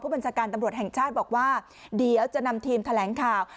บัญชาการตำรวจแห่งชาติบอกว่าเดี๋ยวจะนำทีมแถลงข่าว